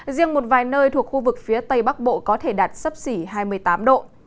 riêng một vài nơi thuộc khu vực phía tây bắc bộ có thể đạt sấp xỉ hai mươi tám độ